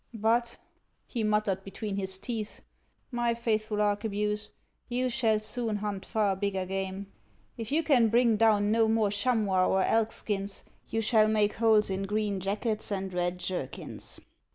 " But," he muttered between his teeth, <: my faithful arquebuse, you shall soon hunt far bigger game. If you can bring down no more chamois or elk skins, you shall make holes in green jackets and red jerkins."